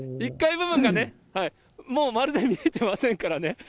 １階部分がね、もうまるで見えてませんからね。